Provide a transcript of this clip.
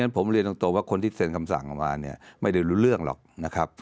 ผมเรียนตรงว่าคนที่เซ็นคำสั่งออกมาเนี่ยไม่ได้รู้เรื่องหรอกนะครับ